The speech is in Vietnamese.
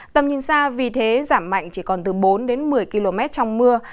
tầm nhìn xa vì thế giảm mạnh chỉ còn từ bốn đến một mươi km trong mưa